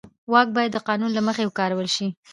واک باید د قانون له مخې وکارول شي.